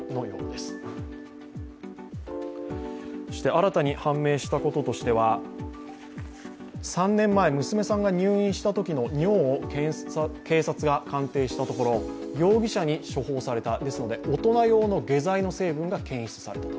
新たに判明したこととしては３年前娘さんが入院したときの尿を鑑定したところ大人用の下剤の成分が検出されたと。